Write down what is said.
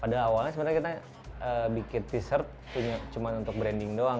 pada awalnya sebenarnya kita bikin t shirt cuma untuk branding doang